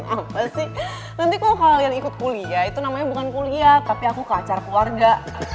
apa sih nanti kok kalian ikut kuliah itu namanya bukan kuliah tapi aku ke acara keluarga